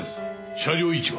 車両位置は？